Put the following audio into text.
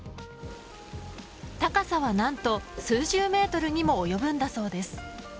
高さは何と数十メートルにも及ぶんだそうです。